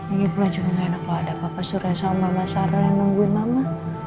ini pula juga gak enak kalau ada papa suresa sama mama sarah yang nungguin mama